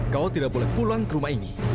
kau tidak boleh pulang ke rumah ini